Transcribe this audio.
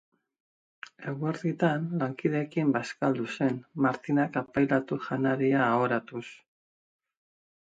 Eguerditan, lankideekin bazkaldu zen, Martinak apailatu janaria ahoratuz.